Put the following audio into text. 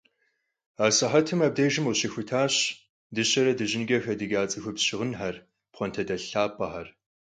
Асыхьэтым абдежым къыщыхутащ дыщэрэ дыжьынкӀэ хэдыкӀа цӀыхубз щыгъынхэр, пхъуантэдэлъ лъапӀэхэр.